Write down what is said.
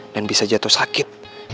dan bisa jatuh sakit